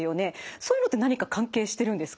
そういうのって何か関係してるんですか？